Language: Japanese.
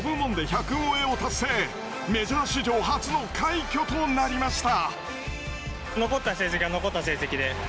メジャー史上初の快挙となりました。